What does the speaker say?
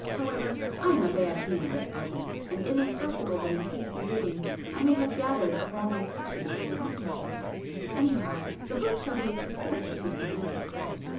However I am a bad hand at argument,—and it is possible that in hasty reading I may have gathered a wrong impression of your intentions. Anyhow the book shall be a success if we can make it so.